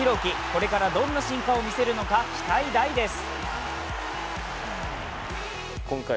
これからどんな進化を見せるのか期待大です。